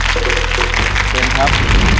เชิญครับ